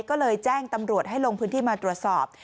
ก็เลยแจ้งตำรวจให้ลงพื้นที่มาตรวจสอบ